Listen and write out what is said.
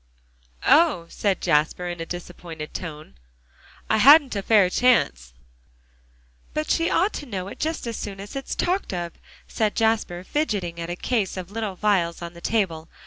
"Oh!" said Jasper, in a disappointed tone. "I hadn't a fair chance" "But she ought to know it just as soon as it's talked of," said Jasper, fidgeting at a case of little vials on the table.